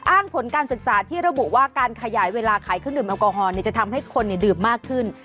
ผลการศึกษาที่ระบุว่าการขยายเวลาขายเครื่องดื่มแอลกอฮอลจะทำให้คนดื่มมากขึ้น